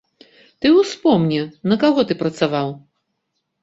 Ты ўспомні, на каго ты працаваў?